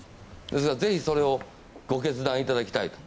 ぜひそれをご決断いただきたいと。